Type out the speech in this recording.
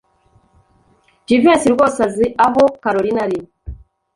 Jivency rwose azi aho Kalorina ari.